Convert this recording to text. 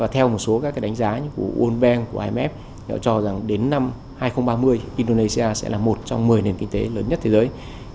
theo một số đánh giá của world bank của imf họ cho rằng đến năm hai nghìn ba mươi indonesia sẽ là một trong một mươi nền kinh tế lớn nhất thế giới